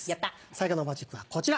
最後のマジックはこちら。